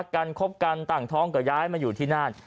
คบกันตั้งท้องก็ย้ายมาอยู่ที่นั่น